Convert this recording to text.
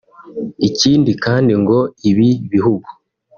ikindi kandi ngo ibi bihugu